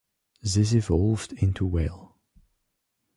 This evolved into Weil.